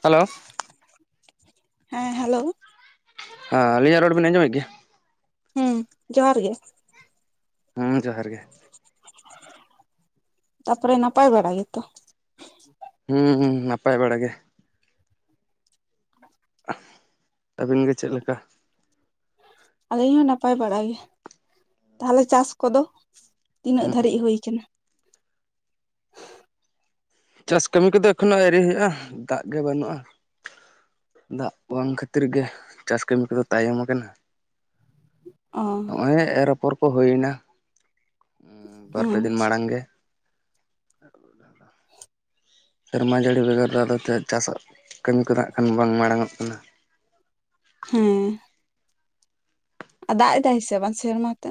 Hello ᱦᱮᱸ hello ᱦᱮᱸ ᱟᱹᱞᱤᱧᱟᱜ ᱨᱚᱲ ᱵᱤᱱ ᱟᱸᱡᱚᱢᱮᱫ ᱜᱮᱭᱟ? ᱦᱩᱸ ᱡᱚᱦᱟᱨ ᱜᱮ᱾ ᱦᱩᱸ ᱡᱚᱦᱟᱨ ᱜᱮ᱾ ᱛᱟᱯᱚᱨᱮ ᱱᱟᱯᱟᱭ ᱵᱟᱲᱟ ᱜᱮᱛᱚ᱾ ᱦᱩᱸᱻ ᱱᱟᱯᱟᱭ ᱵᱟᱲᱟ ᱜᱮ᱾ [inaudible] ᱟᱹᱵᱤᱱ ᱜᱮ ᱪᱮᱜ ᱞᱮᱠᱟ? ᱟᱹᱞᱤᱧ ᱦᱚᱸ ᱱᱟᱯᱟᱭ ᱵᱟᱲᱟ ᱜᱮ, ᱛᱟᱦᱞᱮ ᱪᱟᱥ ᱠᱚᱫᱚ ᱛᱤᱱᱟᱹᱜ ᱦᱩᱸ ᱫᱷᱟᱹᱨᱤᱡ ᱦᱩᱭ ᱠᱟᱱᱟ? ᱪᱟᱥ ᱠᱟᱹᱢᱤ ᱠᱚᱫᱚ ᱮᱠᱷᱚᱱᱳ ᱟᱣᱨᱤ ᱦᱩᱭᱩᱜ-ᱟ, ᱫᱟᱜ ᱜᱮ ᱵᱟᱹᱱᱩᱜ-ᱟ᱾ ᱫᱟᱜ ᱵᱟᱝ ᱠᱷᱟᱹᱛᱤᱨ ᱜᱮ, ᱪᱟᱥ ᱠᱟᱹᱢᱤ ᱠᱚᱫᱚ ᱛᱟᱭᱚᱢ ᱟᱠᱟᱱᱟ᱾ ᱚ ᱦᱚᱸᱜ-ᱚᱭ ᱮᱨ ᱟᱯᱚᱨ ᱠᱚ ᱦᱩᱭᱱᱟ ᱵᱟᱨ ᱯᱮ ᱫᱤᱱ ᱟᱪᱪᱷᱟ ᱢᱟᱲᱟᱝ ᱜᱮ᱾ [inaudible] ᱥᱮᱨᱢᱟ ᱡᱟᱹᱲᱤ ᱵᱮᱜᱚᱨ ᱨᱮ ᱟᱫᱚ ᱛᱮ ᱪᱟᱥᱟᱜ, ᱠᱟᱹᱢᱤ ᱠᱚᱫᱚ ᱦᱟᱜ ᱠᱷᱟᱱ ᱵᱟᱝ ᱢᱟᱲᱟᱝ ᱚᱜ ᱠᱟᱱᱟ᱾ ᱦᱮᱸ ᱟᱨ ᱫᱟᱜ ᱮᱫᱟᱭ ᱥᱮ ᱵᱟᱝ ᱥᱮᱨᱢᱟ ᱛᱮ?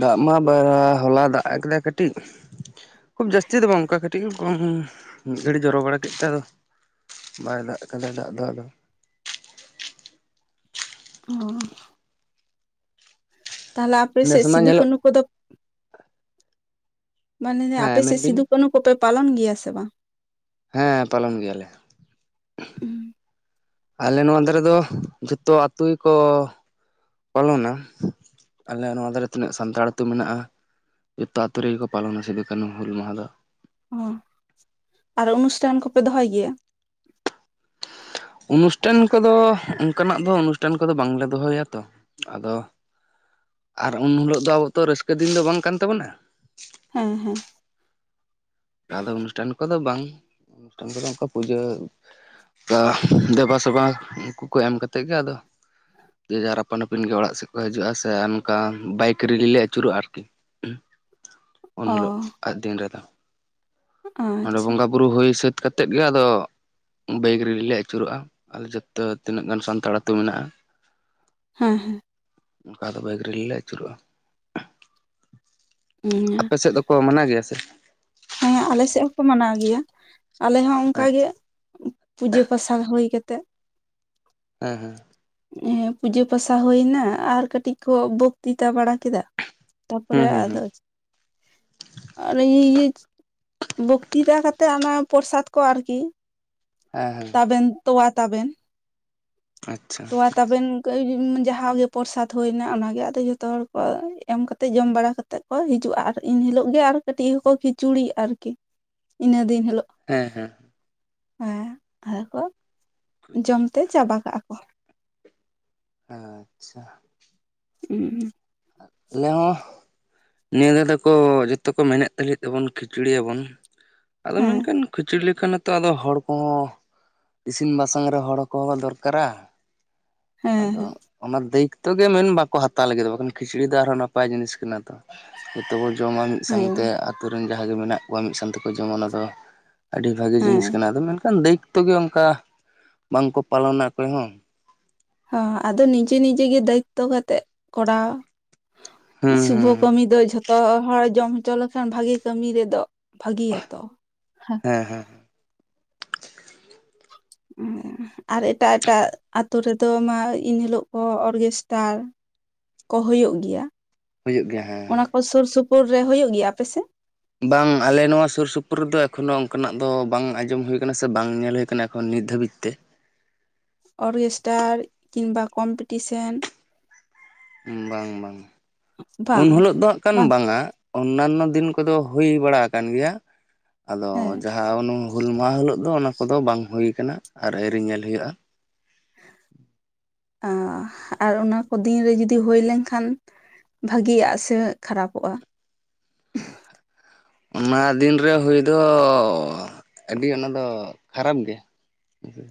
ᱫᱟᱜ ᱢᱟ ᱵᱟᱨᱟ ᱦᱚᱞᱟ ᱫᱟᱜ ᱟᱠᱟᱫᱟᱭ ᱠᱟᱹᱴᱤᱡ, ᱠᱷᱩᱵ ᱡᱟᱹᱥᱛᱤ ᱫᱚ ᱵᱟᱝ ᱚᱝᱠᱟ ᱠᱟᱹᱴᱤᱡ ᱠᱚᱢ, ᱢᱤᱫ ᱜᱷᱟᱹᱲᱤᱡ ᱡᱚᱨᱚ ᱵᱟᱲᱟ ᱠᱮᱫ ᱛᱮ ᱟᱫᱚ ᱵᱟᱭ ᱫᱟᱜ ᱠᱟᱫᱟ ᱫᱟᱜ ᱫᱚ ᱟᱫᱚ ᱚ ᱛᱟᱦᱞᱮ ᱱᱮᱥ ᱟᱯᱮᱥᱮᱜ ᱢᱟ ᱥᱤᱫᱩ ᱧᱮᱞᱚᱜ ᱠᱟᱹᱱᱩ ᱠᱚᱫᱚ ᱢᱟᱱᱮ ᱦᱮᱸ ᱟᱯᱮ ᱥᱮ ᱢᱮᱱᱵᱤᱱ ᱥᱤᱫᱩ ᱠᱟᱹᱱᱩ ᱠᱚᱯᱮ ᱯᱟᱞᱚᱱ ᱜᱮᱭᱟ ᱥᱮ ᱵᱟᱝ? ᱦᱮᱸ ᱯᱟᱞᱚᱱ ᱜᱮᱭᱟᱞᱮ᱾ ᱩᱸ ᱟᱞᱮ ᱱᱚᱣᱟ ᱫᱟᱨᱮ ᱫᱚ ᱡᱷᱚᱛᱚ ᱟᱹᱛᱩ ᱜᱮᱠᱚ ᱯᱟᱞᱚᱱᱟ, ᱟᱞᱮ ᱱᱚᱣᱟ ᱫᱟᱨᱮ ᱛᱤᱱᱟᱹᱜ ᱥᱟᱱᱛᱟᱲ ᱟᱹᱛᱩ ᱢᱮᱱᱟᱜ-ᱟ᱾ ᱡᱚᱛᱚ ᱟᱹᱛᱩ ᱨᱮᱜᱮᱠᱚ ᱯᱟᱞᱚᱱᱟ ᱥᱤᱫᱩ ᱠᱟᱹᱱᱩ ᱦᱩᱞ ᱢᱟᱦᱟ ᱫᱚ᱾ ᱚ ᱟᱨ ᱚᱱᱩᱥᱴᱟᱱ ᱠᱚᱯᱮ ᱫᱚᱦᱚᱭ ᱜᱮᱭᱟ? ᱚᱱᱩᱥᱴᱟᱱ ᱠᱚᱫᱚ ᱚᱱᱠᱟᱱᱟᱜ ᱫᱚ ᱚᱱᱩᱥᱴᱟᱱ ᱠᱚᱫᱚ ᱵᱟᱝᱞᱮ ᱫᱚᱦᱚᱭᱟ ᱛᱚ, ᱟᱫᱚ ᱟᱨ ᱩᱱ ᱦᱤᱞᱳᱜ ᱫᱚ ᱟᱵᱚ ᱛᱚ ᱨᱟᱹᱥᱠᱟᱹ ᱫᱤᱱ ᱫᱚ ᱵᱟᱝ ᱠᱟᱱ ᱛᱟᱵᱚᱱᱟ᱾ ᱦᱮᱸ ᱦᱮᱸ ᱟᱫᱚ ᱚᱱᱩᱥᱴᱟᱱ ᱠᱚᱫᱚ ᱵᱟᱝ ᱚᱱᱩᱥᱴᱟᱱ ᱠᱚᱫᱚ ᱚᱱᱠᱟ ᱯᱩᱡᱟᱹ ᱠᱟ ᱫᱮᱵᱟᱥᱮᱵᱟ ᱩᱝᱠᱩ ᱠᱚ ᱮᱢ ᱠᱟᱛᱮᱫ ᱜᱮ ᱟᱫᱚ ᱡᱮ ᱡᱟᱦᱟᱸᱟᱨ ᱟᱯᱟᱱ ᱟᱹᱯᱤᱱ ᱜᱮ ᱚᱲᱟᱜ ᱥᱮᱜ ᱠᱚ ᱦᱤᱡᱩᱜ-ᱟ ᱥᱮ ᱚᱱᱠᱟ, ᱵᱟᱭᱤᱠ ᱨᱤᱞᱤ ᱞᱮ ᱟᱹᱪᱩᱨᱚᱜ-ᱟ ᱟᱨᱠᱤ᱾ [inaudible] [inaudible] ᱩᱱ ᱦᱳᱞᱳᱜ ᱟᱜ ᱫᱤᱱ ᱨᱮᱫᱚ᱾ ᱚᱸᱰᱮ ᱟᱪᱪᱷᱟ ᱵᱚᱸᱜᱟ ᱵᱩᱨᱩ ᱦᱩᱭ ᱥᱟᱹᱛ ᱠᱟᱛᱮᱫ ᱜᱮ ᱟᱫᱚ ᱵᱟᱹᱭᱤᱠ ᱨᱤᱞᱤ ᱞᱮ ᱟᱹᱪᱩᱨᱚᱜ-ᱟ ᱟᱞᱮ ᱡᱚᱛᱚ ᱛᱤᱱᱟᱹᱜ ᱜᱟᱱ ᱥᱟᱱᱛᱟᱲ ᱟᱹᱛᱩ ᱢᱮᱱᱟᱜ-ᱟ᱾ ᱦᱮᱸ ᱾ ᱚᱱᱠᱟ ᱫᱚ ᱵᱟᱹᱭᱤᱠ ᱨᱮᱜᱮ ᱞᱮ ᱟᱹᱪᱩᱨᱚᱜᱼᱟ᱾ ᱟᱯᱮ ᱥᱮᱫ ᱫᱚᱠᱚ ᱢᱟᱱᱟᱣ ᱜᱮᱭᱟ ᱥᱮ ᱦᱮᱸ ᱟᱞᱮ ᱥᱮᱫ ᱦᱚᱸᱠᱚ ᱢᱟᱱᱟᱣ ᱜᱮᱭᱟ ᱟᱞᱮ ᱦᱚᱸ ᱚᱱᱠᱟ ᱜᱮ ᱟᱪᱪᱷᱟ ᱯᱩᱡᱟᱹ ᱯᱟᱥᱟ ᱦᱩᱭ ᱠᱟᱛᱮᱜ, ᱦᱮᱸ ᱦᱮᱸ᱾ ᱯᱩᱡᱟᱹ ᱯᱟᱥᱟ ᱦᱩᱭᱱᱟ, ᱟᱨ ᱠᱟᱹᱴᱤᱡ ᱠᱚ ᱵᱚᱠᱛᱤᱛᱟ ᱵᱟᱲᱟ ᱠᱮᱫᱟ ᱾ ᱛᱟᱨᱯᱚᱨᱮ ᱦᱩᱸ ᱦᱩᱸ ᱟᱫᱚ ᱦᱩᱸ ᱤᱭᱟᱹ ᱵᱚᱠᱛᱤᱛᱟ ᱠᱟᱛᱮᱜ ᱚᱱᱟ ᱯᱨᱚᱨᱚᱥᱟᱫ ᱠᱚ ᱟᱨᱠᱤ ᱦᱮᱸ ᱦᱮᱸ ᱛᱟᱵᱮᱱ ᱛᱚᱣᱟ ᱛᱟᱵᱮᱱ, ᱟᱪᱪᱷᱟ ᱛᱚᱣᱟ ᱛᱟᱵᱮᱱ ᱠᱟᱹᱭ ᱡᱟᱦᱟᱸᱜᱮ ᱯᱨᱚᱨᱚᱥᱟᱫᱽ ᱦᱩᱭᱱᱟ ᱚᱱᱟᱜᱮ ᱟᱫᱚ ᱡᱚᱛᱚ ᱦᱚᱲ ᱠᱚ ᱮᱢ ᱠᱟ ᱠᱟᱛᱮᱫ ᱡᱚᱢ ᱵᱟᱲᱟ ᱠᱟᱛᱮᱫ᱾ ᱠᱚ ᱦᱤᱡᱩᱜᱼᱟ ᱟᱨ ᱤᱱ ᱦᱤᱞᱳᱜ ᱜᱮ ᱟᱨ ᱠᱟᱹᱴᱤᱡ ᱦᱚᱸᱠᱚ ᱠᱷᱤᱪᱩᱲᱤ ᱟᱨᱠᱤ ᱤᱱᱟᱹ ᱫᱤᱱ ᱦᱤᱞᱳᱜ᱾ ᱦᱮᱸ ᱦᱮᱸ ᱾ ᱦᱮᱸ ᱟᱫᱚ ᱠᱚ ᱡᱚᱢ ᱛᱮ ᱪᱟᱵᱟ ᱠᱟᱜᱼᱟ ᱠᱚ᱾ ᱟᱪᱪᱷᱟ ᱩᱸ ᱾ ᱟᱞᱮ ᱦᱚᱸ ᱱᱤᱭᱟᱹ ᱫᱷᱟᱣ ᱠᱚ ᱡᱷᱚᱛᱚ ᱠᱚ ᱢᱮᱱᱮᱫ ᱛᱟᱞᱮ ᱛᱟᱵᱚᱱ ᱠᱷᱤᱪᱩᱲᱤᱭ ᱧᱟᱵᱚᱱ ᱟᱫᱚ ᱦᱮᱸ ᱢᱮᱱᱠᱷᱟᱱ ᱠᱷᱤᱪᱩᱲᱤ ᱞᱮᱠᱟᱱᱟᱜ ᱱᱤᱛᱚᱜ ᱟᱫᱚ ᱦᱚᱲ ᱠᱚᱦᱚᱸ ᱤᱥᱤᱱ ᱵᱟᱥᱟᱝ ᱨᱮ ᱦᱚᱲ ᱠᱚᱸᱦᱚ ᱫᱚᱨᱠᱟᱨᱟ᱾ ᱟᱫᱚ ᱦᱮᱸ ᱚᱱᱟ ᱫᱟᱭᱤᱛᱛᱚ ᱜᱮ ᱢᱮᱱ ᱵᱟᱠᱚ ᱦᱟᱛᱟᱣ ᱞᱟᱹᱜᱤᱫ ᱫᱚ ᱵᱟᱠᱷᱟᱱ ᱠᱷᱤᱪᱲᱤ ᱫᱚ ᱟᱨᱦᱚᱸ ᱱᱟᱯᱟᱭ ᱡᱤᱱᱤᱥ ᱠᱟᱱᱟ ᱛᱚ᱾ ᱡᱚᱛᱚ ᱠᱚ ᱡᱚᱢᱟ ᱢᱤᱫ ᱥᱟᱶᱛᱮ ᱦᱮᱸ ᱟᱹᱛᱩ ᱨᱮᱱ ᱡᱟᱦᱟᱸᱭ ᱜᱮ ᱢᱮᱱᱟᱜ ᱠᱚᱣᱟ ᱢᱤᱫ ᱥᱟᱶ ᱛᱮᱠᱚ ᱡᱚᱢᱟ, ᱚᱱᱟ ᱫᱚ ᱟᱹᱰᱤ ᱵᱷᱟᱹᱜᱤ ᱡᱤᱱᱤᱥ ᱠᱟᱱᱟ ᱟᱫᱚ ᱢᱮᱱᱠᱷᱟᱱ ᱫᱟᱹᱭᱤᱛᱛᱚ ᱜᱮ ᱚᱱᱠᱟ ᱵᱟᱝ ᱠᱚ ᱯᱟᱞᱚᱱᱟ ᱚᱠᱚᱭ ᱦᱚᱸ ᱚᱱᱠᱟ ᱦᱚᱹ ᱟᱫᱚ ᱱᱤᱡᱮ ᱱᱤᱡᱮ ᱜᱮ ᱫᱟᱭᱤᱛᱛᱚ ᱠᱟᱛᱮᱜ ᱠᱚᱨᱟᱣ᱾ ᱦᱩᱸ ᱥᱩᱵᱷᱚ ᱦᱩᱸ ᱠᱟᱹᱢᱤ ᱫᱚ ᱡᱷᱚᱛᱚ ᱦᱚᱲ ᱡᱚᱢ ᱦᱚᱪᱚ ᱞᱮᱠᱷᱟᱱ ᱵᱷᱟᱹᱜᱤ ᱠᱟᱹᱢᱤ ᱨᱮᱫᱚ ᱵᱷᱟᱹᱜᱤᱭᱟ ᱛᱚ᱾ ᱦᱮᱸ ᱦᱮᱸ ᱾ ᱦᱮᱸ ᱾ ᱟᱨ ᱮᱴᱟᱜ ᱮᱴᱟᱜ ᱟᱹᱛᱩ ᱨᱮᱫᱚ ᱢᱟ ᱮᱱᱦᱤᱞᱳᱜ ᱠᱚ ᱚᱨᱜᱮᱥᱴᱟᱨ ᱠᱚ ᱦᱩᱭᱩᱜ ᱜᱮᱭᱟ᱾ ᱦᱩᱭᱩᱜ ᱜᱮᱭᱟ ᱦᱮᱸ᱾ ᱚᱱᱟ ᱥᱩᱨ ᱥᱩᱯᱩᱨ ᱨᱮ ᱦᱩᱭᱩᱜ ᱜᱮᱭᱟ ᱟᱯᱮᱥᱮᱫ? ᱵᱟᱝ ᱟᱞᱮ ᱱᱚᱣᱟ ᱥᱩᱨ ᱥᱩᱯᱩᱨ ᱨᱮᱫᱚ ᱮᱠᱷᱚᱱ ᱚᱱᱠᱟᱱᱟᱜ ᱫᱚ ᱵᱟᱝ ᱟᱸᱡᱚᱢ ᱦᱩᱭᱩᱭᱟ ᱟᱠᱟᱱᱟ ᱥᱮ ᱵᱟᱝ ᱧᱮᱞ ᱦᱩᱭᱩ ᱟᱠᱟᱱᱟ ᱾ ᱦᱚᱸ ᱱᱤᱛ ᱫᱷᱟᱹᱵᱤᱡ ᱛᱮ ᱾ ᱚᱨᱜᱮᱥᱴᱟᱨ ᱠᱤᱝᱵᱟ ᱠᱚᱢᱯᱤᱴᱤᱥᱮᱱ, ᱵᱟᱝ ᱵᱟᱝ ᱩᱱ ᱵᱟᱝ ᱦᱤᱞᱳᱜ ᱫᱚ ᱦᱟᱜ ᱠᱷᱟᱱ ᱵᱟᱝ ᱵᱟᱝᱼᱟ᱾ ᱚᱱᱱᱟᱱᱚ ᱫᱤᱱ ᱠᱚᱫᱚ ᱦᱩᱭ ᱵᱟᱲᱟ ᱟᱠᱟᱱ ᱜᱮᱭᱟ᱾ ᱟᱫᱚ ᱦᱮᱸ ᱡᱟᱦᱟᱸ ᱦᱩᱞ ᱢᱟᱦᱟ ᱦᱤᱞᱳ ᱫᱚ ᱚᱱᱟ ᱠᱚᱫᱚ ᱵᱟᱝ ᱦᱩᱭᱩ ᱠᱟᱱᱟ ᱟᱨ ᱟᱹᱣᱨᱤ ᱧᱮᱞ ᱦᱩᱭᱩᱜᱼᱟ᱾ ᱟᱨ ᱚᱱᱟ ᱠᱚ ᱫᱤᱱᱨᱮ ᱡᱩᱫᱤ ᱦᱳᱭ ᱞᱮᱱᱠᱷᱟᱱ, ᱵᱷᱟᱜᱤᱭᱟᱜ ᱥᱮ ᱠᱷᱟᱨᱟᱯᱚᱜᱼᱟ? [inaudible] ᱚᱱᱟ ᱫᱤᱱ ᱨᱮ ᱦᱩᱭ ᱫᱚ ᱟᱹᱰᱤ ᱚᱱᱟ ᱫᱚ ᱠᱷᱟᱨᱟᱯ ᱜᱮ᱾ ᱦᱩ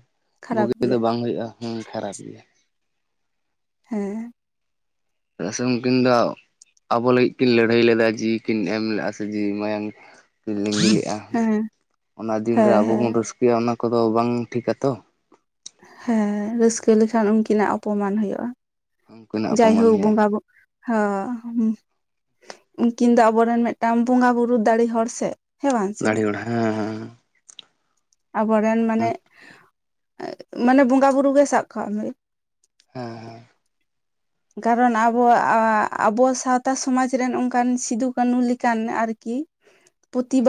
ᱠᱷᱟᱨᱟᱯ ᱵᱩᱜᱤ ᱫᱚ ᱜᱮᱭᱟ ᱵᱟᱝ ᱦᱩᱭᱩᱜᱼᱟ ᱦᱮᱸ ᱠᱷᱟᱨᱟᱯ ᱜᱮᱭᱟ᱾ ᱦᱮᱸ, ᱪᱮᱫᱟᱜ ᱥᱮ ᱩᱱᱠᱤᱱ ᱫᱚ ᱟᱵᱚ ᱞᱟᱹᱜᱤᱫ ᱠᱤᱱ ᱞᱟᱹᱲᱦᱟᱹᱭ ᱞᱮᱫᱟ ᱡᱤᱣᱤ ᱠᱤᱱ ᱮᱢ ᱞᱮᱫᱼᱟ ᱥᱮ ᱡᱤᱣᱤ ᱢᱟᱭᱟᱝ ᱠᱤᱱ ᱞᱤᱸᱜᱤ ᱞᱮᱫᱼᱟ᱾ ᱦᱮᱸ ᱚᱱᱟ ᱫᱤᱱ ᱨᱮ ᱦᱮᱸ ᱟᱵᱚ ᱦᱮᱸ ᱵᱚᱱ ᱨᱟᱹᱥᱠᱟᱹᱭᱟ ᱚᱱᱟ ᱠᱚᱫᱚ ᱵᱟᱝ ᱴᱷᱤᱠᱟ ᱛᱚ᱾ ᱦᱮᱸ ᱨᱟᱹᱥᱠᱟᱹ ᱞᱮᱠᱷᱟᱱ ᱩᱱᱠᱤᱱᱟᱜ ᱚᱯᱚᱢᱟᱱ ᱦᱩᱭᱩᱜᱼᱟ ᱩᱱᱠᱤᱱᱟᱜ ᱚᱯᱚᱢᱟᱱ ᱡᱟᱭᱦᱳᱠ ᱦᱩᱭᱩᱜᱼᱟ ᱵᱚᱸᱜᱟ - ᱦᱚᱸ ᱩᱱᱠᱤᱱ ᱫᱚ ᱟᱵᱚᱨᱮᱱ ᱢᱤᱫᱴᱟᱝ ᱵᱚᱸᱜᱟ ᱵᱩᱨᱩ ᱫᱟᱲᱮ ᱦᱚᱲ ᱥᱮ᱾ ᱦᱮᱸ ᱵᱟᱝ ᱥᱮ ᱫᱟᱲᱮ ᱦᱚᱲ ᱦᱮᱸ ᱦᱮᱸ᱾ ᱟᱵᱚᱨᱮᱱ ᱢᱟᱱᱮ ᱢᱟᱱᱮ ᱵᱚᱸᱜᱟ ᱵᱩᱨᱩ ᱜᱮ ᱥᱟᱵ ᱠᱟᱜ ᱢᱮ᱾ ᱦᱮᱸ ᱦᱮᱸ ᱠᱟᱨᱚᱱ ᱟᱵᱚᱣᱟᱜ ᱟᱵᱚ ᱥᱟᱶᱛᱟ ᱥᱚᱢᱟᱡᱽ ᱨᱮᱱ ᱚᱱᱠᱟᱱ ᱥᱤᱫᱩ ᱠᱟᱹᱱᱩ ᱞᱮᱠᱟᱱ ᱟᱹᱨᱠᱤ᱾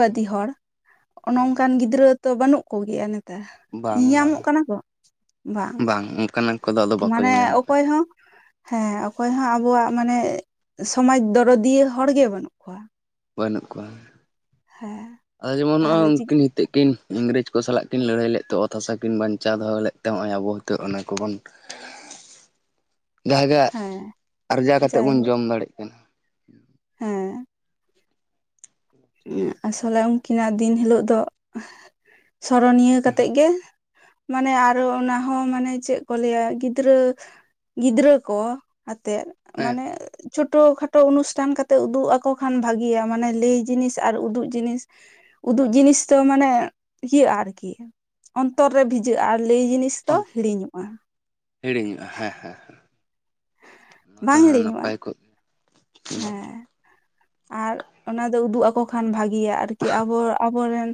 ᱦᱮᱸ ᱦᱚᱲ ᱦᱮᱸ ᱱᱚᱝᱠᱟᱱ ᱜᱤᱫᱽᱨᱟᱹ ᱛᱚ ᱵᱟᱹᱱᱩᱜ ᱠᱚᱜᱮᱭᱟ ᱱᱤᱛ ᱛᱟᱨ ᱵᱟᱝ ᱵᱟᱝ ᱧᱮᱟᱢᱚᱜ ᱠᱟᱱᱟ ᱠᱚ ᱵᱟᱝ ᱾ ᱵᱟᱝ ᱚᱱᱠᱟᱱᱟᱜ ᱠᱚᱫᱚ, ᱟᱫᱚ ᱵᱟᱠᱚ ᱢᱟᱱᱮ ᱧᱮᱧᱟᱢᱚᱜ ᱠᱟᱱᱟ ᱚᱠᱚᱭ ᱦᱚᱸ ᱦᱮᱸ ᱚᱠᱚᱭ ᱦᱚᱸ ᱟᱵᱚᱣᱟᱜ ᱢᱟᱱᱮ ᱥᱚᱢᱟᱡᱽ ᱫᱚᱨᱚᱫᱤᱭᱟᱹ ᱦᱚᱲ ᱜᱮ ᱵᱟᱹᱱᱩᱜ ᱠᱚᱣᱟ ᱾ ᱵᱟᱹᱱᱩᱜ ᱠᱚᱣᱟ ᱦᱮᱸ ᱟᱫᱚ ᱡᱮᱢᱚᱱ ᱱᱚᱜᱼᱚᱭ ᱛᱟᱦᱚᱞᱮ ᱪᱤ ᱩᱱᱠᱤᱱ ᱠᱤᱱ ᱤᱝᱨᱮᱡᱽ ᱠᱚ ᱥᱟᱞᱟᱜ ᱠᱤᱱ ᱞᱟᱹᱲᱦᱟᱹᱭ ᱞᱮᱫ ᱛᱮ ᱚᱛ ᱦᱟᱥᱟ ᱠᱤᱱ ᱵᱟᱧᱪᱟᱣ ᱫᱚᱦᱚ ᱞᱮᱫ ᱛᱮᱜᱼᱚᱭ ᱟᱵᱚᱛ ᱚᱱᱟᱠᱚᱵᱚᱱ, [inaudible] ᱡᱟᱦᱟ ᱜᱮ ᱦᱮᱸ ᱟᱨᱡᱟᱣ ᱠᱟᱛᱮᱫ ᱵᱚᱱ ᱡᱟᱭᱦᱳᱠ ᱡᱚᱢ ᱫᱟᱲᱮᱜ ᱠᱟᱱᱟ ᱾ ᱦᱮᱸ ᱾ ᱟᱥᱚᱞᱮ ᱩᱱᱠᱤᱱᱟᱜ ᱫᱤᱱ ᱦᱤᱞᱳ ᱫᱚ ᱥᱚᱨᱚᱱᱤᱭᱟᱹ ᱠᱟᱛᱮᱜ ᱜᱮ, ᱢᱟᱱᱮ ᱟᱨᱚ ᱚᱱᱟ ᱦᱚᱸ ᱢᱟᱱᱮ ᱪᱮᱫ ᱠᱚ ᱞᱟᱹᱭᱟ ᱜᱤᱫᱽᱨᱟᱹ ᱜᱤᱫᱽᱨᱟᱹ ᱠᱚ, ᱟᱛᱮᱫ ᱦᱮᱸ ᱢᱟᱱᱮ ᱪᱷᱳᱴᱳ ᱠᱷᱟᱴᱳ ᱚᱱᱩᱥᱴᱷᱟᱱ ᱠᱟᱛᱮᱜ ᱩᱫᱩᱜ ᱟᱠᱚ ᱠᱷᱟᱱ ᱵᱷᱟᱜᱮᱤᱭᱟ ᱾ ᱢᱟᱱᱮ ᱞᱟᱹᱭ ᱡᱤᱱᱤᱥ ᱟᱨ ᱩᱫᱩᱜ ᱡᱤᱱᱤᱥ, ᱩᱫᱩᱜ ᱡᱤᱱᱤᱥ ᱫᱚ ᱢᱟᱱᱮ ᱤᱭᱟᱹᱜᱼᱟ ᱟᱨᱠᱤ ᱚᱱᱛᱚᱨ ᱨᱮ ᱵᱷᱤᱡᱟᱹᱜᱼᱟ ᱟᱨ ᱞᱟᱹᱭ ᱡᱤᱱᱤᱥ, ᱫᱚ ᱦᱤᱲᱤᱧᱚᱜᱼᱟ ᱾ ᱦᱤᱲᱤᱧᱚᱜᱼᱟ ᱦᱮᱸ ᱦᱮᱸ ᱚᱱᱟ ᱫᱚ ᱵᱟᱝ ᱦᱟᱸᱜ ᱦᱤᱲᱤᱧᱚᱜᱼᱟ ᱱᱟᱯᱟᱭ ᱠᱚᱜ ᱜᱮᱭᱟ ᱾ ᱦᱮᱸ ᱾ ᱟᱨ ᱚᱱᱟ ᱫᱚ ᱩᱫᱩᱜ ᱟᱠᱚ ᱠᱷᱟᱱ ᱵᱷᱟᱜᱮᱭᱟ ᱟᱨᱠᱤ ᱟᱵᱚ ᱟᱵᱚᱨᱮᱱ,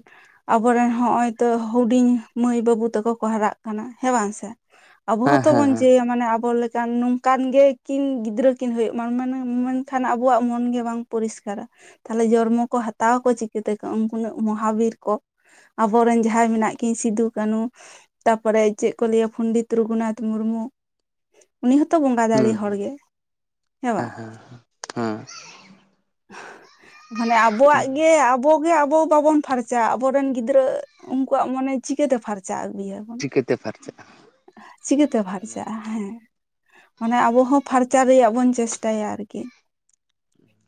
ᱟᱵᱚᱨᱮᱱ ᱦᱚᱸᱜᱼᱚᱭ ᱛᱚ ᱦᱩᱰᱤᱧ ᱢᱟᱹᱭ ᱵᱟᱹᱵᱩ ᱛᱟᱠᱚ ᱠᱚ ᱦᱟᱨᱟᱜ ᱠᱟᱱᱟ ᱦᱮᱸ ᱵᱟᱝ ᱥᱮ ᱾ ᱟᱵᱚ ᱦᱮᱸ ᱦᱚᱸᱛᱚ ᱦᱮᱸ ᱵᱚᱱ ᱦᱮᱸ ᱪᱟᱹᱭᱟ ᱢᱟᱱᱮ ᱟᱵᱚ ᱞᱮᱠᱟᱱ, ᱠᱟᱱ ᱜᱮᱠᱤᱱ ᱜᱤᱫᱽᱨᱟᱹ ᱠᱤᱱ ᱦᱩᱭᱩᱜ ᱢᱟ ᱢᱮᱱᱠᱷᱟᱱ ᱟᱵᱚᱣᱟᱜ ᱢᱚᱱ ᱜᱮ ᱵᱟᱝ, ᱯᱚᱨᱤᱥᱠᱟᱨᱟ ᱛᱟᱦᱞᱮ ᱡᱚᱱᱢᱚ ᱠᱚ ᱦᱟᱛᱟᱣᱟ ᱟᱠᱚ ᱪᱤᱠᱟᱹᱛᱮᱠᱚ ᱩᱱᱠᱩ ᱢᱚᱦᱟᱵᱤᱨ ᱠᱚ ᱾ ᱟᱵᱚᱨᱮᱱ ᱡᱟᱦᱟᱸᱭ ᱢᱮᱱᱟᱜ ᱠᱤᱱ ᱥᱤᱫᱩ ᱠᱟᱹᱱᱦᱩ ᱾ ᱛᱟᱯᱚᱨᱮ ᱪᱮᱫ ᱠᱚ ᱞᱟᱹᱭᱟ ᱯᱚᱱᱰᱤᱛ ᱨᱚᱜᱷᱩᱱᱟᱛᱷ ᱢᱩᱨᱢᱩ ᱾ ᱩᱱᱤ ᱦᱚᱸᱛᱚ ᱵᱚᱸᱜᱟ ᱫᱟᱲᱮ ᱦᱩᱸ ᱦᱚᱲ ᱜᱮ, ᱦᱮ ᱵᱟ? ᱦᱮᱸ ᱦᱮᱸ ᱾ ᱦᱮᱸ ᱾ ᱢᱟᱱᱮ ᱟᱵᱚᱣᱟᱜ ᱜᱮ, ᱟᱵᱚ ᱜᱮ ᱟᱵᱚ ᱵᱟᱵᱚᱱ ᱯᱷᱟᱨᱪᱟᱜᱼᱟ, ᱟᱵᱚᱨᱮᱱ ᱜᱤᱫᱽᱨᱟᱹ ᱩᱱᱠᱩᱣᱟᱜ ᱢᱚᱱᱮ ᱪᱤᱠᱟᱹᱛᱮ ᱯᱷᱟᱨᱪᱟ ᱟᱹᱜᱩᱭᱟ ᱾ ᱪᱤᱠᱟᱹᱛᱮ ᱯᱷᱟᱨᱪᱟᱜᱼᱟ ᱾ ᱪᱤᱠᱟᱹᱛᱮ ᱯᱷᱟᱨᱪᱟᱜᱼᱟ ᱦᱮᱸ ᱾ ᱢᱟᱱᱮ ᱟᱵᱚ ᱦᱚᱸ ᱯᱷᱟᱨᱪᱟ ᱨᱮᱭᱟᱜ ᱵᱚᱱ ᱪᱮᱥᱴᱟᱭᱟ ᱟᱨᱠᱤ ᱾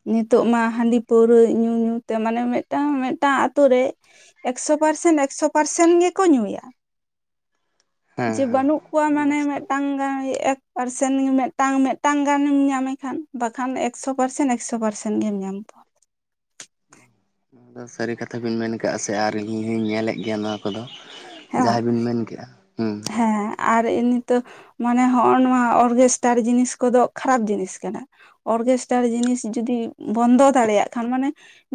ᱱᱤᱛᱚᱜ ᱢᱟ ᱦᱟᱺᱰᱤ ᱯᱟᱹᱣᱨᱟᱹ ᱧᱩ ᱧᱩ ᱛᱮ ᱢᱟᱱᱮ ᱢᱤᱫᱴᱟᱝ ᱢᱤᱫᱴᱟᱝ ᱟᱛᱳ ᱨᱮ ᱾ ᱮᱠᱥᱚ ᱯᱟᱨᱥᱮᱱ ᱮᱠᱥᱚ ᱯᱟᱨᱥᱮᱱ ᱜᱮᱠᱚ ᱧᱩᱭᱟ ᱾ ᱦᱮᱸ ᱡᱮ ᱦᱮᱸ ᱵᱟᱹᱱᱩᱜ ᱠᱚᱣᱟ ᱢᱟᱱᱮ ᱵᱟᱥᱛᱚᱵ ᱢᱤᱫᱴᱟᱝ ᱜᱟᱱ, ᱯᱟᱨᱥᱮᱱ ᱢᱤᱫᱴᱟᱝ ᱢᱤᱫᱴᱟᱝ ᱜᱟᱱᱮᱢ ᱧᱟᱢᱮ ᱠᱷᱟᱱ ᱵᱟᱠᱷᱟᱱ ᱮᱠᱥᱚ ᱯᱟᱨᱥᱮᱱ, ᱮᱠᱥᱚ ᱯᱟᱨᱥᱮᱱᱴ ᱜᱮᱢ ᱧᱟᱢ ᱠᱚᱣᱟ ᱾ ᱱᱚᱣᱟ ᱫᱚ ᱥᱟᱹᱨᱤ ᱠᱟᱛᱷᱟ ᱵᱤᱱ ᱢᱮᱱ ᱠᱟᱜᱼᱟ ᱥᱮ ᱟᱨ ᱤᱧ ᱦᱚᱸᱧ ᱧᱮᱞᱮᱫ ᱜᱮᱭᱟ ᱱᱚᱣᱟ ᱠᱚᱫᱚ ᱾ ᱦᱮᱸ ᱵᱟᱝ ᱡᱟᱦᱟᱸᱭ ᱵᱤᱱ ᱢᱮᱱ ᱠᱮᱜᱼᱟ ᱦᱮᱸ, ᱟᱨ ᱱᱤᱛᱚᱜ ᱢᱟᱱᱮ ᱦᱚᱜᱼᱚ ᱱᱚᱣᱟ ᱚᱨᱜᱮᱥᱴᱟᱨ ᱡᱤᱱᱤᱥ ᱠᱚᱫᱚ ᱠᱷᱟᱨᱟᱯ ᱡᱤᱱᱤᱥ ᱠᱟᱱᱟ ᱾ ᱚᱨᱜᱮᱥᱴᱟᱨ ᱡᱤᱱᱤᱥ ᱡᱩᱚᱫᱤ ᱵᱚᱱᱫᱚ ᱫᱟᱲᱮᱭᱟᱜ ᱠᱷᱟᱱ ᱢᱟᱱᱮ,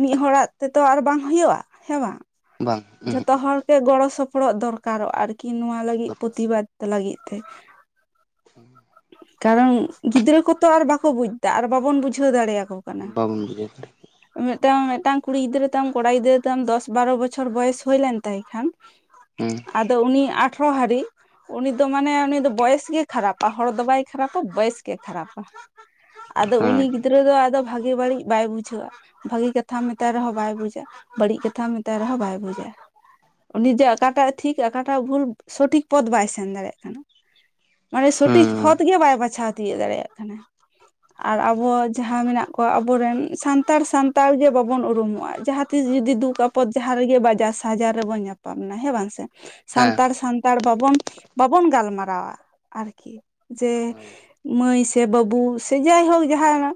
ᱢᱤᱫ ᱦᱚᱲᱟᱜ ᱛᱮᱫᱚ ᱟᱨ ᱵᱟᱝ ᱦᱩᱭᱩᱜᱼᱟ ᱦᱮᱸ ᱵᱟᱝ? ᱵᱟᱝ ᱩᱦᱩᱸᱜ ᱡᱷᱚᱛᱚ ᱦᱚᱲ ᱜᱮ ᱜᱚᱲᱚ ᱥᱚᱯᱚᱦᱚᱫ ᱫᱚᱨᱠᱟᱨᱚᱜᱼᱟ, ᱟᱨᱠᱤ ᱱᱚᱣᱟ ᱞᱟᱹᱜᱤᱫ ᱯᱨᱚᱛᱤᱵᱟᱫ ᱞᱟᱹᱜᱤᱫ ᱛᱮ ᱾ [unintelligible] ᱠᱟᱨᱚᱱ ᱜᱤᱫᱽᱨᱟᱹ ᱠᱚᱛᱚ ᱟᱨ ᱵᱟᱠᱚ ᱵᱩᱡᱽ ᱮᱫᱟ ᱟᱨ ᱵᱟᱵᱚᱱ ᱵᱩᱡᱷᱟᱹᱣ ᱫᱟᱲᱮᱭᱟᱠᱚ, ᱠᱟᱱᱟ ᱵᱟᱵᱚᱱ ᱵᱩᱡᱷᱟᱹᱣ ᱫᱟᱲᱮᱭᱟᱜ, ᱢᱤᱫᱴᱟᱝ ᱢᱤᱫᱴᱟᱝ ᱠᱩᱲᱤ ᱜᱤᱫᱽᱨᱟᱹ ᱛᱟᱢ ᱠᱚᱲᱟ ᱜᱤᱫᱽᱨᱟᱹ ᱛᱟᱢ ᱫᱚᱥ ᱵᱟᱨᱚ ᱵᱚᱪᱷᱚᱨ ᱵᱚᱭᱮᱥ ᱦᱩᱭ ᱞᱮᱱ ᱛᱟᱭ ᱠᱷᱟᱱ, [unintelligible] ᱦᱮᱸ᱾ ᱟᱫᱚ ᱩᱱᱤ ᱟᱴᱷᱨᱚ ᱦᱟᱹᱨᱤ ᱩᱱᱤ ᱫᱚ ᱢᱟᱱᱮ ᱩᱱᱤ ᱫᱚ ᱵᱚᱭᱮᱥ ᱜᱮ ᱠᱷᱟᱨᱟᱯ᱾ ᱟ ᱦᱚᱲ ᱫᱚ ᱵᱟᱭ ᱠᱷᱟᱨᱟᱯᱟ ᱵᱚᱭᱮᱥ ᱜᱮ ᱠᱷᱟᱨᱟᱯᱟ ᱟᱫᱚ ᱦᱮᱸ ᱩᱱᱤ ᱫᱽᱨᱟᱹ ᱫᱚ ᱟᱫᱚ ᱵᱷᱟᱜᱮ ᱵᱟᱹᱲᱤᱡ ᱵᱟᱭ ᱵᱩᱡᱷᱟᱹᱣᱟ᱾ ᱵᱷᱟᱹᱜᱤ ᱠᱟᱛᱷᱟᱢ ᱢᱮᱛᱟᱭ ᱨᱮᱦᱚᱸ ᱵᱟᱭ ᱵᱩᱡᱟ, ᱵᱟᱹᱲᱤᱡ ᱠᱟᱛᱷᱟᱢ ᱢᱮᱛᱟᱭ ᱨᱮᱦᱚᱸ ᱵᱟᱭ ᱵᱩᱡᱟ᱾ ᱩᱱᱤᱡᱮ ᱟᱠᱟᱴᱟᱜ ᱴᱷᱤᱠ ᱟᱠᱟᱴᱟᱜ ᱵᱷᱩᱞ ᱥᱚᱴᱷᱤᱠ ᱯᱚᱫ ᱵᱟᱭ ᱥᱮᱱ ᱫᱟᱲᱮᱭᱟᱜ ᱠᱟᱱᱟ ᱾ ᱢᱟᱱᱮᱼᱼ ᱴᱤ ᱦᱮᱸ ᱯᱷᱚᱛ ᱜᱮ ᱵᱟᱭ ᱵᱟᱪᱷᱟᱣ ᱛᱤᱭᱟᱹᱜ ᱫᱟᱲᱮᱭᱟᱜ ᱠᱟᱱᱟ, ᱟᱨ ᱟᱵᱚ ᱡᱟᱦᱟᱸ ᱢᱮᱱᱟᱜ ᱟᱵᱚᱨᱮᱱ ᱥᱟᱱᱛᱟᱲ ᱥᱟᱱᱛᱟᱲ ᱜᱮ ᱵᱟᱵᱚᱱ ᱩᱨᱩᱢᱚᱜᱼᱟ, ᱡᱟᱦᱟᱸ ᱛᱤᱥ ᱡᱩᱫᱤ ᱫᱩᱠ ᱟᱯ ᱯᱚᱫ ᱡᱟᱦᱟᱸ ᱨᱮᱜᱮ ᱵᱟᱡᱟᱨ ᱥᱟᱡᱟᱨ ᱨᱮᱵᱚᱱ ᱧᱟᱯᱟᱢᱱᱟ ᱦᱮᱸ ᱵᱟᱝ ᱥᱮ ᱾ ᱦᱮᱸ ᱥᱟᱱᱛᱟᱲ ᱥᱟᱱᱛᱟᱲ ᱵᱟᱵᱚᱱ ᱵᱟᱵᱚᱱ ᱜᱟᱞᱢᱟᱨᱟᱣᱟ ᱟᱨᱠᱤ ᱡᱮ, ᱦᱳᱭ ᱢᱟᱹᱭ ᱥᱮ ᱵᱟᱹᱵᱩ ᱥᱮ ᱡᱟᱭᱦᱳᱠ ᱡᱟᱦᱟᱱᱟᱜ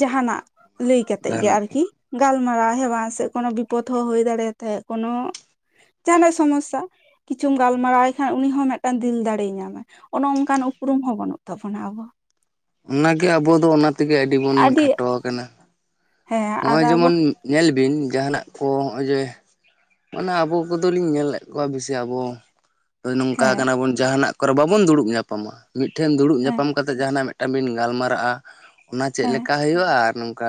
ᱡᱟᱦᱟᱱᱟᱜ ᱞᱟᱹᱭ ᱠᱟᱛᱮᱫ ᱜᱮ ᱟᱨᱠᱤ ᱜᱟᱞᱢᱟᱨᱟᱣ ᱦᱮᱣᱟ ᱥᱮ ᱠᱳᱱᱚ ᱵᱤᱯᱚᱫᱽ ᱦᱚᱸ ᱦᱩᱭ ᱫᱟᱲᱮᱭᱟ ᱛᱟᱭᱟ ᱠᱳᱱᱚᱼᱼ ᱡᱟᱦᱟᱱᱟᱜ ᱥᱚᱢᱚᱥᱥᱟ ᱠᱤᱪᱷᱩᱢ ᱜᱟᱞᱢᱟᱨᱟᱣᱟᱭ ᱠᱷᱟᱱ ᱩᱱᱤ ᱦᱚᱸ ᱢᱤᱫᱴᱟᱱ ᱫᱤᱞ ᱫᱟᱲᱮᱭ ᱧᱟᱢᱟ᱾ ᱚᱱᱚ ᱚᱝᱠᱟᱱ ᱩᱯᱨᱩᱢ ᱦᱚᱸ ᱵᱟᱹᱱᱩᱜ ᱛᱟᱵᱚᱱᱟ ᱟᱵᱚ ᱚᱱᱟᱜᱮ ᱟᱵᱚ ᱫᱚ ᱚᱱᱟ ᱛᱮᱜᱮ ᱟᱹᱰᱤ ᱵᱚᱱ ᱠᱷᱟᱴᱚ ᱟᱠᱟᱱᱟ ᱾ ᱦᱮᱸ ᱟᱨ ᱱᱚᱜᱼᱚᱭ ᱟᱵᱚ ᱡᱮᱢᱚᱱ ᱧᱮᱞ ᱵᱤᱱ ᱡᱟᱦᱟᱸᱱᱟᱜ ᱠᱚ ᱱᱚᱜᱼᱚᱭ ᱡᱮ ᱢᱟᱱᱮ ᱟᱵᱚ ᱠᱚᱫᱚ ᱞᱤᱧ ᱧᱮᱞᱮᱫ ᱠᱚᱣᱟ ᱵᱮᱥᱤ ᱟᱵᱚᱼᱼ ᱦᱳᱭ, ᱱᱚᱝᱠᱟ ᱦᱮᱸ ᱠᱟᱱᱟ ᱵᱚᱱ ᱡᱟᱦᱟᱱᱟᱜ ᱠᱚᱨᱮ ᱵᱟᱵᱚᱱ ᱫᱩᱲᱩᱵ ᱧᱟᱯᱟᱢᱟ, ᱢᱤᱫᱴᱷᱮᱱ ᱫᱩᱲᱩᱵ ᱦᱮᱸ ᱧᱟᱯᱟᱢ ᱠᱟᱛᱮᱜ ᱡᱟᱦᱟᱱᱟᱜ ᱢᱮᱫ ᱢᱤᱫᱴᱟᱝ ᱵᱤᱱ ᱜᱟᱞᱢᱟᱨᱟᱜᱼᱟ ᱚᱱᱟ ᱪᱮᱫ ᱦᱮᱸ ᱞᱮᱠᱟ ᱦᱩᱭᱩᱜᱼᱟ ᱟᱨ ᱱᱚᱝᱠᱟ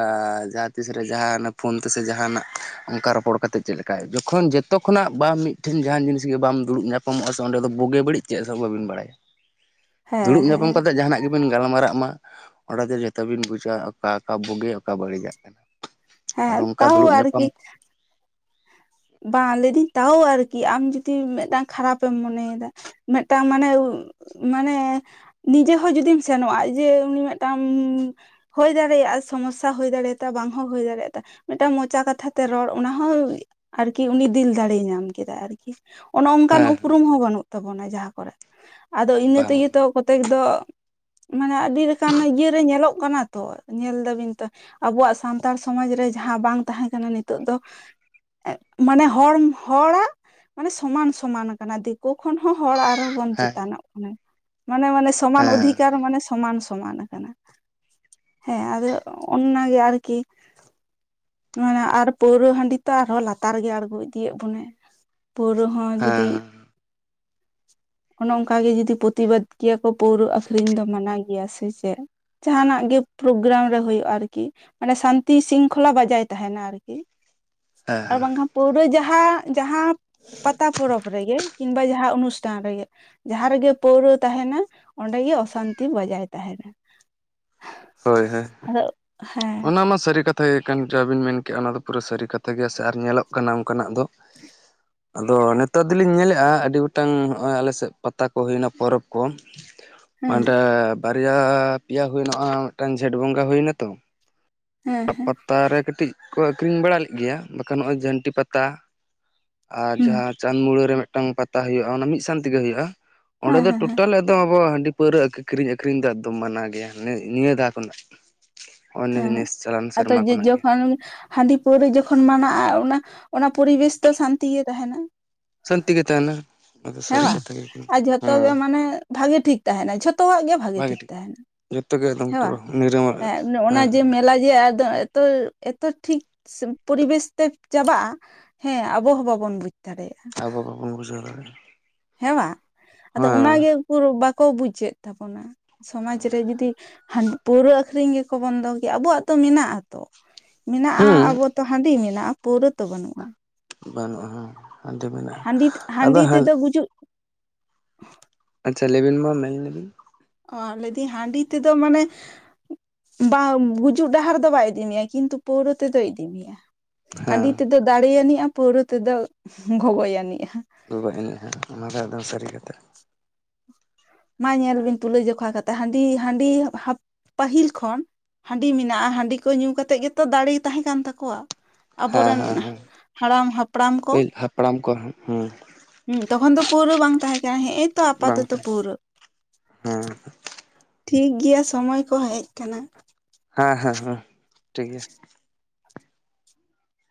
ᱡᱟᱦᱟᱸᱼᱼ ᱛᱤᱥ ᱨᱮ ᱡᱟᱦᱟᱸᱱᱟᱜ ᱯᱷᱳᱱ ᱛᱮᱥᱮ ᱡᱟᱦᱟᱸᱱᱟᱜ ᱚᱱᱠᱟ ᱨᱚᱯᱚᱲ ᱠᱟᱛᱮᱜ ᱪᱮᱫ ᱞᱮᱠᱟᱭ ᱡᱚᱠᱷᱚᱱ ᱡᱚᱛᱚ ᱠᱷᱚᱱᱟᱜ ᱵᱟᱢ ᱢᱤᱫ ᱢᱤᱫᱴᱮᱱ ᱡᱟᱦᱟᱱ ᱡᱤᱱᱤᱥ ᱜᱮ ᱵᱟᱢ ᱫᱩᱲᱩᱵ ᱧᱟᱯᱟᱢᱚᱜᱼᱟ ᱚᱸᱰᱮ ᱫᱚ ᱵᱩᱜᱮ ᱵᱟᱹᱲᱤᱡ ᱪᱮᱫ ᱦᱚᱸ ᱵᱟᱹᱵᱤᱱ ᱵᱟᱲᱟᱭᱟ᱾ [unintelligible] ᱫᱩᱲᱩᱵ ᱦᱮᱸ ᱧᱟᱯᱟᱢ ᱦᱮᱸ ᱠᱟᱛᱮ ᱡᱟᱦᱟᱱᱟᱜ ᱜᱮᱼᱼ ᱵᱤᱱ ᱜᱟᱞᱢᱟᱨᱟᱜ ᱢᱟ ᱚᱸᱰᱮ ᱫᱚ ᱡᱚᱛᱚ ᱵᱤᱱ ᱵᱩᱡᱟ ᱚᱠᱟ ᱚᱠᱟ ᱵᱩᱜᱤ ᱚᱠᱟ ᱵᱟᱹᱲᱤᱡᱟᱜ ᱠᱟᱱᱟ᱾ ᱟᱫᱚ ᱦᱮᱸ ᱚᱱᱠᱟ ᱛᱟᱣ ᱫᱩᱲᱩᱵ ᱟᱨᱠᱤ ᱧᱟᱯᱟᱢ ᱵᱟᱝ ᱞᱟᱹᱭᱤᱫᱟᱹᱧ ᱛᱟᱣᱚ ᱟᱨᱠᱤ ᱟᱢ ᱡᱩᱫᱤ ᱢᱤᱫᱴᱟᱝ ᱠᱷᱟᱨᱟᱯᱮᱢ ᱢᱚᱱᱮᱭᱮᱫᱟ ᱢᱮᱫᱴᱟᱝ ᱢᱟᱱᱮ, ᱩ ᱢᱟᱱᱮ ᱱᱤᱡᱮ ᱦᱚᱸ ᱡᱩᱫᱤᱢ ᱥᱮᱱᱚᱜᱼᱟ ᱡᱮ ᱩᱱᱤ ᱢᱤᱫᱴᱟᱝᱻ ᱦᱳᱭ ᱫᱟᱲᱮᱭᱟᱜᱼᱟ ᱥᱚᱢᱚᱥᱥᱟ ᱦᱳᱭ ᱫᱟᱲᱮᱭᱟᱛᱟ ᱵᱟᱝ ᱦᱚᱸ ᱦᱳᱭ ᱫᱟᱲᱮᱭᱟᱛᱟ᱾ ᱢᱤᱫᱴᱟᱝ ᱢᱚᱪᱟ ᱠᱟᱛᱷᱟ ᱛᱮ ᱨᱚᱲ ᱚᱱᱟ ᱦᱚᱸ ᱟᱨᱠᱤ ᱩᱱᱤ ᱫᱤᱞ ᱫᱟᱲᱮᱭ ᱧᱟᱢ ᱠᱮᱫᱟ ᱟᱨᱠᱤ, ᱚᱱᱚ ᱚᱱᱠᱟᱱ ᱦᱮᱸ ᱩᱯᱨᱩᱢ ᱦᱚᱸ ᱵᱟᱹᱱᱩᱜ᱾ ᱛᱟᱵᱚᱱᱟ ᱡᱟᱦᱟᱸ ᱠᱚᱨᱮᱜ, ᱟᱫᱚ ᱤᱱᱟᱹ ᱵᱟᱝ ᱛᱮᱜᱮ ᱛᱚ ᱠᱚᱛᱮᱠ ᱫᱚ ᱢᱟᱱᱮ ᱟᱹᱰᱤ ᱞᱮᱠᱟᱱ ᱤᱭᱟᱹ ᱨᱮ ᱧᱮᱞᱚᱜ ᱠᱟᱱᱟ ᱛᱚ ᱧᱮᱞ ᱫᱟᱵᱤᱱ ᱛᱚ ᱟᱵᱚᱣᱟᱜ ᱥᱟᱱᱛᱟᱲ ᱥᱚᱢᱟᱡᱽ ᱨᱮ ᱡᱟᱦᱟᱸ ᱵᱟᱝ ᱛᱟᱦᱮᱸ ᱠᱟᱱᱟ ᱱᱤᱛᱚᱜ ᱫᱚ ᱮᱸᱜ ᱢᱟᱱᱮ ᱦᱚᱲᱚᱢ ᱦᱚᱲᱟᱜ ᱢᱟᱱᱮ ᱥᱚᱢᱟᱱ ᱥᱚᱢᱟᱱ ᱠᱟᱱᱟ ᱫᱤ ᱟᱠᱚ ᱠᱷᱚᱱ ᱦᱚᱸ ᱦᱚᱲ ᱟᱨᱦᱚᱸ ᱵᱚᱱ ᱦᱮᱸ ᱪᱮᱛᱟᱱᱚᱜ ᱠᱟᱱᱟ᱾ ᱢᱟᱱᱮ ᱢᱟᱱᱮ ᱥᱚᱢᱟᱱ ᱦᱮᱸ ᱚᱫᱷᱤᱠᱟᱨ ᱢᱟᱱᱮ ᱥᱚᱢᱟᱱ ᱥᱚᱢᱟᱱ ᱠᱟᱱᱟ᱾ ᱦᱮᱸ ᱟᱫᱚ ᱚᱱᱱᱟ ᱜᱮ ᱟᱨᱠᱤ᱾ ᱢᱟᱱᱮ ᱟᱨ ᱯᱟᱹᱣᱨᱟᱹ ᱦᱟᱺᱰᱤ ᱛᱚ ᱟᱨᱦᱚᱸ ᱞᱟᱛᱟᱨ ᱜᱮ ᱟᱬᱜᱚ ᱤᱫᱤᱭᱮᱜ ᱵᱚᱱᱟᱭ, ᱯᱟᱹᱣᱨᱟᱹ ᱦᱚᱸ ᱡᱩᱫᱤ ᱦᱮᱸ ᱚᱱᱚ ᱚᱝᱠᱟ ᱜᱮ ᱡᱩᱫᱤ ᱯᱚᱛᱤᱵᱟᱫ ᱠᱮᱭᱟ ᱠᱚ ᱯᱟᱹᱣᱨᱟᱹ ᱟᱹᱠᱷᱨᱤᱧ ᱫᱚ ᱢᱟᱱᱟ ᱤᱭᱟᱹ ᱥᱮ ᱪᱮᱫ ᱡᱟᱦᱟᱸᱱᱟᱜ ᱜᱮ ᱯᱨᱳᱜᱨᱟᱢ ᱨᱮ ᱦᱳᱭᱳᱜᱼᱟ ᱟᱨᱠᱤ, ᱢᱟᱱᱮ ᱥᱟᱱᱛᱤ ᱥᱤᱝᱠᱷᱚᱞᱟ ᱵᱚᱡᱟᱭ ᱛᱟᱦᱮᱸᱱᱟ ᱟᱨᱠᱤ᱾ ᱦᱮᱸ ᱟᱨ ᱦᱮᱸ ᱵᱟᱝᱠᱷᱟᱱ ᱯᱟᱹᱣᱨᱟᱹ ᱡᱟᱦᱟᱸ ᱡᱟᱦᱟᱸ ᱯᱟᱛᱟ ᱯᱚᱨᱚᱵᱽ ᱨᱮᱜᱮ ᱠᱤᱝᱵᱟ ᱡᱟᱦᱟᱸ ᱚᱱᱩᱥᱴᱷᱟᱱ ᱨᱮᱜᱮᱼᱼ ᱡᱟᱦᱟᱸ ᱨᱮᱜᱮ ᱯᱟᱹᱣᱨᱟᱹ ᱛᱟᱦᱮᱸᱱ-ᱟ ᱚᱸᱰᱮ ᱜᱮ ᱚᱥᱟᱱᱛᱤ ᱵᱟᱡᱟᱭ ᱛᱟᱦᱮᱸᱱᱟ᱾ ᱦᱳᱭ ᱦᱳᱭ ᱟᱫᱚ ᱦᱮᱸ᱾ ᱚᱱᱟ ᱢᱟ ᱥᱟᱹᱨᱤ ᱠᱟᱛᱷᱟ ᱜᱮ ᱠᱟᱱ ᱡᱟ ᱵᱤᱱ ᱢᱮᱱᱠᱮᱜ-ᱟ ᱚᱱᱟ ᱫᱚ ᱯᱩᱨᱟᱹ ᱥᱟᱹᱨᱤ ᱠᱟᱛᱷᱟ ᱜᱮᱭᱟ ᱥᱮ ᱟᱨ ᱧᱮᱞᱚᱜ ᱠᱟᱱᱟ ᱚᱝᱠᱟᱱᱟᱜ ᱫᱚ ᱾ [inaudible] ᱟᱫᱚ ᱱᱮᱛᱟᱨ ᱫᱚᱞᱤᱧ ᱧᱮᱞᱮᱜᱼᱟ ᱟᱹᱰᱤ ᱜᱚᱴᱟᱝ ᱱᱚᱜᱼᱚᱭ ᱟᱞᱮᱥᱮᱜ ᱯᱟᱛᱟ ᱠᱚ ᱦᱩᱭᱮᱱᱟ ᱯᱚᱨᱚᱵᱽ ᱠᱚ ᱾ [inaudible] ᱦᱟᱱᱰᱮ ᱵᱟᱨᱭᱟ ᱯᱮᱭᱟ ᱦᱩᱭᱮᱱᱼᱟ ᱢᱤᱫᱴᱟᱝ ᱡᱷᱮᱸᱴ ᱵᱚᱸᱜᱟ ᱦᱩᱭᱱᱟ ᱛᱚ᱾ ᱦᱮᱸ ᱦᱮᱸ ᱯᱟᱛᱟᱨᱮ ᱠᱟᱹᱴᱤᱡ ᱠᱚ ᱟᱹᱠᱷᱨᱤᱧ ᱵᱟᱲᱟ ᱞᱮᱫ ᱜᱮᱭᱟ ᱵᱟᱠᱷᱟᱱ ᱱᱚᱜᱼᱚᱭ ᱡᱷᱟᱹᱱᱴᱤ ᱯᱟᱛᱟ ᱟᱨ ᱦᱩᱸ ᱡᱟᱦᱟᱸ ᱪᱟᱸᱫᱽ ᱢᱩᱲᱟᱹ ᱨᱮ ᱢᱤᱫᱴᱟᱝ ᱯᱟᱛᱟ ᱦᱳᱭᱳᱜᱼᱟ ᱚᱱᱟ ᱢᱤᱫ ᱥᱟᱱ ᱛᱮᱜᱮᱦᱳᱭᱳᱜᱼᱟ ᱚᱸᱰᱮ ᱦᱮᱸ ᱫᱚ ᱦᱮᱸ ᱦᱮᱸ ᱴᱳᱴᱟᱞ ᱮᱠᱫᱚᱢ ᱟᱵᱚ ᱦᱟᱺᱰᱤ ᱯᱟᱹᱣᱨᱟᱹ ᱠᱤᱨᱤᱧ ᱟᱹᱠᱷᱨᱤᱧ ᱫᱚ ᱮᱠᱫᱚᱢ ᱢᱟᱱᱟ ᱜᱮᱭᱟ ᱱᱤᱭᱟᱹ ᱫᱷᱟᱣ ᱠᱷᱚᱱᱟᱜ᱾ ᱚᱱᱱᱮ ᱦᱮᱸ ᱡᱤᱱᱤᱥ ᱟᱫᱚ ᱡᱮ ᱡᱚᱠᱷᱚᱱ, ᱦᱟᱺᱰᱤ ᱯᱟᱹᱣᱨᱟᱹ ᱡᱚᱠᱷᱚᱱ ᱢᱟᱱᱟᱜᱼᱟ ᱚᱱᱟ ᱚᱱᱟ ᱯᱚᱨᱤᱵᱮᱥ ᱫᱚ ᱥᱟᱱᱛᱤ ᱜᱮ ᱛᱟᱦᱮᱱᱟ ᱥᱟᱱᱛᱤ ᱜᱮ ᱛᱟᱦᱮᱱᱟ ᱾ ᱦᱮᱸ ᱵᱟ ᱟᱨ ᱡᱷᱚᱛᱚ ᱜᱮ ᱢᱟᱱᱮ ᱵᱷᱟᱜᱮ ᱴᱷᱤᱠ ᱛᱟᱦᱮᱱᱟ ᱡᱷᱚᱛᱚᱣᱟᱜ ᱜᱮ ᱵᱷᱟᱜᱤ ᱴᱷᱤᱠ ᱛᱟᱦᱮᱱᱟ ᱡᱚᱛᱚ ᱜᱮ [unintelligible] ᱮᱠᱫᱚᱢ ᱯᱩᱨᱟᱹ ᱱᱤᱨᱟᱹᱢᱟ ᱦᱮ ᱚᱱᱟ ᱡᱮ ᱦᱮᱸ ᱢᱮᱞᱟ ᱡᱮ ᱟᱫᱚ ᱮᱛᱚ ᱮᱛᱚ ᱴᱷᱤᱠ ᱯᱚᱨᱤᱵᱮᱥ ᱛᱮ ᱪᱟᱵᱟᱜᱼᱟ ᱦᱮᱸ ᱟᱵᱚ ᱦᱚᱸ ᱵᱟᱵᱚᱱ ᱵᱩᱡᱽ ᱫᱟᱲᱮᱭᱟᱜᱼᱟ ᱟᱵᱚ ᱵᱟᱵᱚᱱ ᱵᱩᱡᱷᱟᱹᱣ ᱫᱟᱲᱮᱭᱟᱜᱼᱟ ᱦᱮᱸᱣᱟ ᱟᱫᱚ ᱚᱱᱟᱜᱮ ᱩᱠᱩᱨ ᱵᱟᱠᱚ ᱵᱩᱡᱮᱫ ᱛᱟᱵᱚᱱᱟ ᱥᱚᱢᱟᱡ ᱨᱮ ᱡᱩᱫᱤ ᱦᱟᱺᱰᱤ ᱯᱟᱹᱣᱨᱟᱹ ᱟᱹᱠᱷᱨᱤᱧ ᱜᱮᱠᱚ ᱵᱚᱱᱫᱚ ᱠᱮᱜᱟ ᱟᱵᱚᱣᱟᱜ ᱛᱚ ᱢᱮᱱᱟᱜ ᱟᱛᱚ ᱦᱩᱸ᱾ ᱟᱵᱚ ᱛᱚ ᱦᱟᱺᱰᱤ ᱢᱮᱱᱟᱜᱼᱟ ᱯᱟᱹᱣᱨᱟᱹ ᱛᱚ ᱵᱟᱹᱱᱩᱜᱼᱟ ᱵᱟᱹᱱᱩᱜᱼᱟ ᱦᱮᱸ ᱦᱟᱺᱰᱮ ᱢᱮᱱᱟᱜᱼᱟ ᱦᱟᱺᱰᱤ ᱟᱫᱚ ᱦᱟᱺᱰᱤ ᱦᱟ ᱛᱮᱫᱚ ᱜᱩᱡᱩᱜ ᱟᱪᱪᱷᱟ ᱞᱮᱵᱤᱱ ᱢᱟ ᱢᱮᱱ ᱞᱮᱵᱤᱱ ᱚ ᱞᱟᱹᱭᱫᱤᱧ ᱦᱟᱺᱰᱤ ᱛᱮᱫᱚ ᱢᱟᱱᱮ, ᱵᱟᱢ ᱜᱩᱡᱩᱜ ᱰᱟᱦᱟᱨ ᱫᱚ ᱵᱟᱭ ᱤᱫᱤ ᱢᱮᱭᱟ ᱠᱤᱱᱛᱩ ᱯᱟᱹᱣᱨᱟᱹ ᱛᱮᱫᱚᱭ ᱤᱫᱤ ᱢᱮᱭᱟ ᱾ ᱦᱟᱺᱰᱤ ᱦᱮᱸ ᱛᱮᱫᱚ ᱫᱟᱲᱮ ᱟᱹᱱᱤᱜᱼᱟ ᱯᱟᱹᱣᱨᱟᱹ ᱛᱮᱫᱚ ᱜᱚᱜᱚᱡ ᱟᱹᱱᱤᱡᱼᱟ᱾ ᱜᱚᱜᱚᱡ ᱟᱱᱤᱡᱟ ᱚᱱᱟ ᱫᱚ ᱮᱠᱫᱚᱢ ᱥᱟᱹᱨᱤ ᱠᱟᱛᱷᱟ᱾ ᱢᱟ ᱧᱮᱞ ᱵᱤᱱ ᱛᱩᱞᱟᱹᱡᱚᱠᱷᱟ ᱠᱟᱛᱮᱫ ᱦᱟᱺᱰᱤ ᱦᱟᱺᱰᱤ ᱯᱟᱹᱦᱤᱞ ᱠᱷᱚᱱ ᱦᱟᱺᱰᱤ ᱢᱮᱱᱟᱜᱼᱟ ᱦᱟᱺᱰᱤ ᱠᱚ ᱧᱩ ᱠᱟᱛᱮᱫ ᱜᱮᱛᱚ ᱫᱟᱲᱮ ᱛᱟᱦᱮᱸ ᱠᱟᱱ ᱛᱟᱠᱚᱣᱟ᱾ ᱦᱮᱸ ᱟᱵᱚᱨᱮᱱ ᱦᱮᱸ ᱦᱮᱸ ᱦᱟᱲᱟᱢ ᱦᱟᱯᱲᱟᱢ ᱠᱚ ᱯᱟᱹᱦᱤᱞ ᱦᱟᱯᱲᱟᱢ ᱠᱚ ᱦᱮᱸ ᱦᱩᱸ ᱛᱚᱠᱷᱚᱱ ᱫᱚ ᱯᱩᱣᱨᱟᱹ ᱵᱟᱝ ᱛᱟᱦᱮᱸ ᱠᱟᱱᱟ ᱦᱮᱜ ᱮᱛᱚ ᱵᱟᱝ ᱟᱯᱟᱛᱚᱛᱚ ᱛᱟᱦᱮᱸ ᱯᱩᱣᱨᱟ. ᱦᱮᱸ ᱾ ᱴᱷᱤᱠᱜᱮᱭᱟ ᱥᱚᱢᱚᱭ ᱠᱚ ᱦᱮᱡ ᱠᱟᱱᱟ ᱾ ᱦᱮᱸ ᱦᱮᱸ ᱦᱮᱸ ᱴᱷᱤᱠ ᱜᱮᱭᱟ ᱾